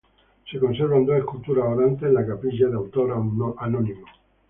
Se conservan dos esculturas orantes en la capilla, de autor anónimo.